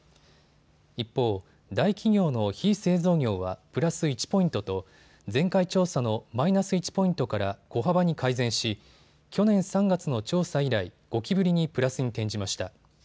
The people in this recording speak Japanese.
一方、大企業の非製造業はプラス１ポイントと前回調査のマイナス１ポイントから小幅に改善し、去年３月の調査以来、５期ぶりにプラスに転じました。